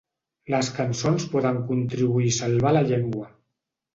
Les cançons poden contribuir a salvar la llengua.